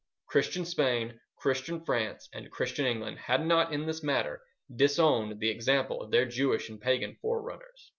Christian Spain, Christian France, and Christian England had not in this matter disowned the example of their Jewish and Pagan forerunners.